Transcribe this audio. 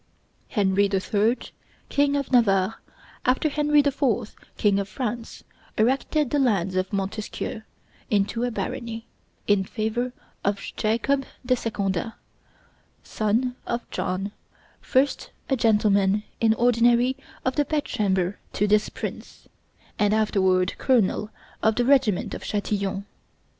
Henry the Third, King of Navarre, afterward Henry the Fourth, King of France, erected the lands of Montesquieu into a barony, in favor of Jacob de Secondat, son of John, first a gentleman in ordinary of the bedchamber to this prince, and afterward colonel of the regiment of Chatillon.